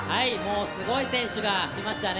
すごい選手が来ましたね。